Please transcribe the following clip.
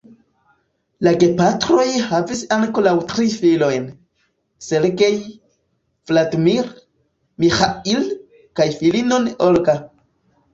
La gepatroj havis ankoraŭ tri filojn: "Sergej", "Vladimir", "Miĥail" kaj filinon "Olga".